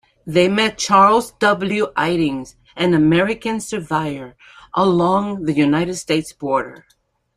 They met Charles W. Iddings, an American surveyor, along the United States border.